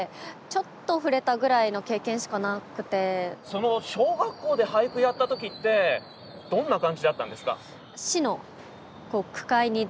その小学校で俳句やった時ってどんな感じだったんですか？